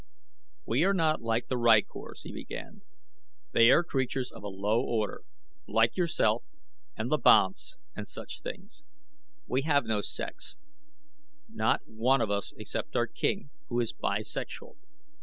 "We are not like the rykors," he began. "They are creatures of a low order, like yourself and the banths and such things. We have no sex not one of us except our king, who is bi sexual.